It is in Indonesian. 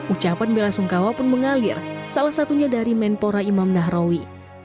ucapan bela sungkawa pun mengalir salah satunya dari menpora imam nahrawi